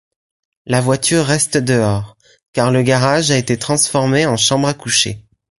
La voiture reste dehors, car le garage a été transformé en chambre à coucher.